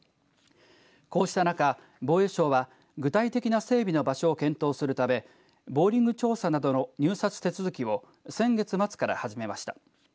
こうした中、防衛省は具体的な整備の場所を検討するためボーリング調査などの入札手続きを先月末から始めました。